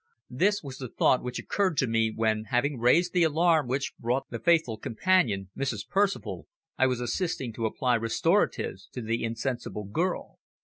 This was the thought which occurred to me when, having raised the alarm which brought the faithful companion, Mrs. Percival, I was assisting to apply restoratives to the insensible girl.